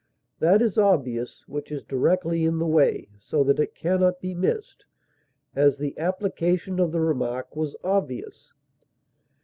That is obvious which is directly in the way so that it can not be missed; as, the application of the remark was obvious.